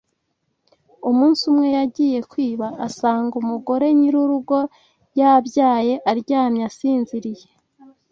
Umunsi umwe yagiye kwiba asanga umugore nyiri urugo yabyaye aryamye asinziriye